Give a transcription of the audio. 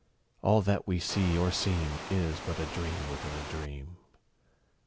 All that we see or seem Is but a dream within a dream.